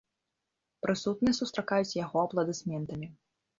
Прысутныя сустракаюць яго апладысментамі.